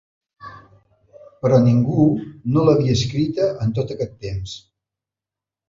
Però ningú no l’havia escrita en tot aquest temps.